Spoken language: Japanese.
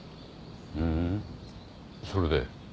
ふーんそれで？